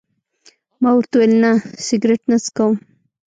ما ورته وویل: نه، سګرېټ نه څکوم.